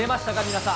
皆さん。